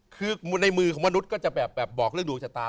คือในมือของมนุษย์ก็จะแบบบอกเรื่องดวงชะตา